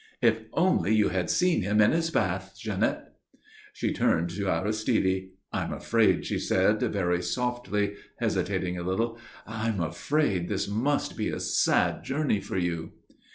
"If only you had seen him in his bath, Janet!" She turned to Aristide. "I'm afraid," she said, very softly, hesitating a little "I'm afraid this must be a sad journey for you."